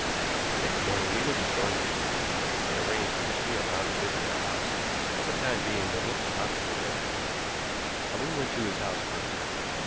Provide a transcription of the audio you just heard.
Next morning we went to Thornfield. I had arranged that we should be allowed to visit the house. For the time being, the local constable had the keys, and we went to his house first.